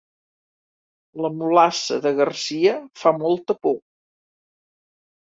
La mulassa de Garcia fa molta por